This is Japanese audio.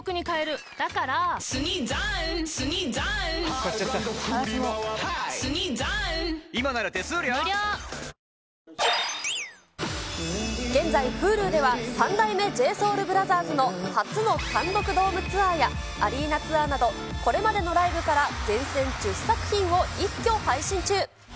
三井パークシリーズいい一日はきょうもここにある現在、Ｈｕｌｕでは三代目ＪＳＯＵＬＢＲＯＴＨＥＲＳの初の単独ドームツアーや、アリーナツアーなど、これまでのライブから厳選１０作品を一挙配信中。